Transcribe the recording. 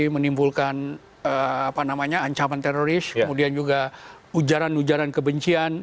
menimbulkan ancaman teroris kemudian juga ujaran ujaran kebencian